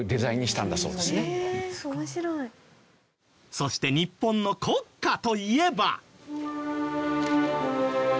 そして日本の国歌といえば。